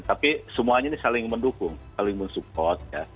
tapi semuanya ini saling mendukung saling mensupport